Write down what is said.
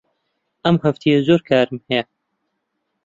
ئەم هەفتەیە زۆر کارم هەیە.